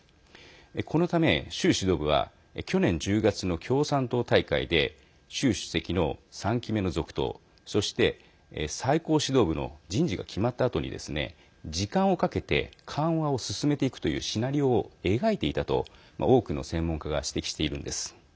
このため、習指導部は去年１０月の共産党大会で習主席の３期目の続投そして、最高指導部の人事が決まったあとにですね時間をかけて緩和を進めていくというシナリオを描いていたと多くの専門家が指摘しているんです。